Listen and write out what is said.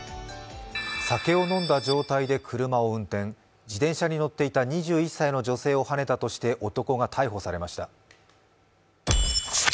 酒を飲んだ状態で車を運転、自転車に乗っていた２１歳の女性をはねたとして男が逮捕されました。